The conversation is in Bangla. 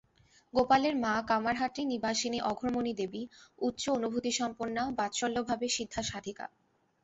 গোপালের মা কামারহাটি-নিবাসিনী অঘোরমণি দেবী, উচ্চ-অনুভূতিসম্পন্না বাৎসল্যভাবে সিদ্ধা সাধিকা।